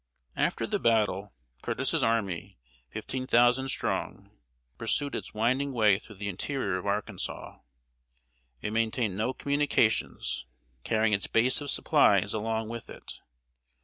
After the battle, Curtis's army, fifteen thousand strong, pursued its winding way through the interior of Arkansas. It maintained no communications, carrying its base of supplies along with it.